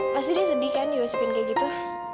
pasti dia sedih kan di gosipin kayak gitu